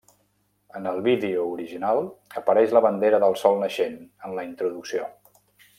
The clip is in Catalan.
En el vídeo original apareix la bandera del Sol Naixent en la introducció.